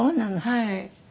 はい。